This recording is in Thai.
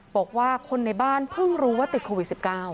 บอกว่าคนในบ้านเพิ่งรู้ว่าติดโควิด๑๙